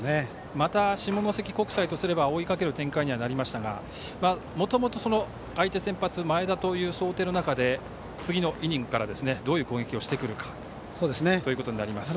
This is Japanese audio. また、下関国際とすれば追いかける展開にはなりましたがもともと、相手先発前田という想定の中で次のイニングからどういう攻撃をしてくるかということになります。